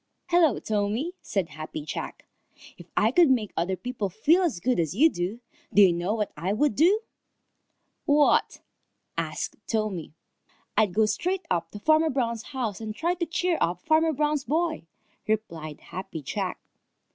"Hello, Tommy," said Happy Jack. "If I could make other people feel as good as you do, do you know what I would do?" "What?" asked Tommy. "I'd go straight up to Farmer Brown's house and try to cheer up Farmer Brown's boy," replied Happy Jack.